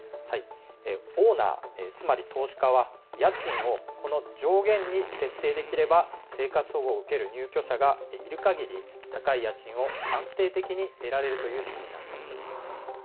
オーナー、つまり投資家は家賃をこの上限に設定できれば生活保護を受ける入居者がいるかぎり高い家賃を安定的に得られるという仕組みなんです。